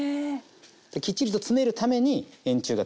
きっちりと詰めるために円柱形にしていく。